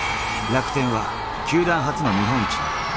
楽天は球団初の日本一！